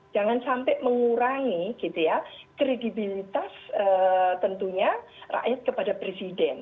jangan sampai mengurangi kredibilitas tentunya rakyat kepada presiden